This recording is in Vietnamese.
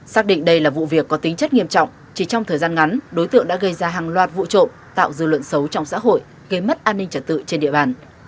xác định đây là vụ việc có tính chất nghiêm trọng chỉ trong thời gian ngắn đối tượng đã gây ra hàng loạt vụ trộm tạo dư luận xấu trong xã hội gây mất an ninh trật tự trên địa bàn